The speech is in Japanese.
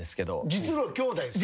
実の兄弟ですか？